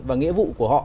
và nghĩa vụ của họ